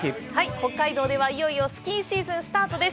北海道では、いよいよスキーシーズンスタートです。